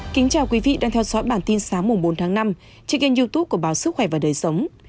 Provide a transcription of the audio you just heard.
kính chào quý vị đang theo dõi bản tin sáng bốn tháng năm trên kênh youtube của báo sức khỏe và đời sống